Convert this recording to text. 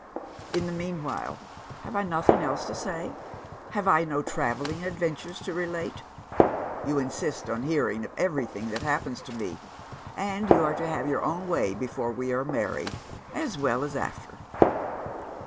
"In the meanwhile, have I nothing else to say? have I no travelling adventures to relate? You insist on hearing of everything that happens to me; and you are to have your own way before we are married, as well as after.